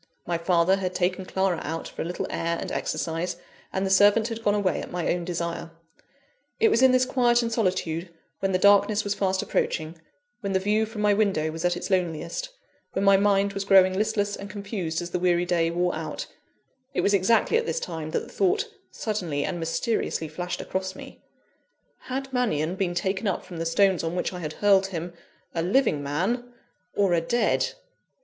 My father had taken Clara out for a little air and exercise, and the servant had gone away at my own desire. It was in this quiet and solitude, when the darkness was fast approaching, when the view from my window was at its loneliest, when my mind was growing listless and confused as the weary day wore out it was exactly at this time that the thought suddenly and mysteriously flashed across me: Had Mannion been taken up from the stones on which I had hurled him, a living man or a dead?